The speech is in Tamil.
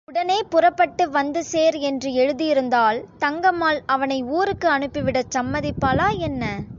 உடனே புறப்பட்டு வந்து சேர் என்று எழுதியிருந்தால் தங்கம்மாள் அவனை ஊருக்கு அனுப்பிவிடச் சம்மதிப்பாளா, என்ன?